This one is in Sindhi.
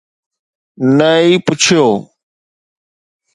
نه ئي پڇيو